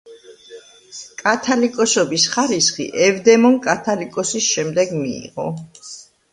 კათალიკოსობის ხარისხი ევდემონ კათალიკოსის შემდეგ მიიღო.